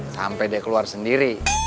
sampai deh keluar sendiri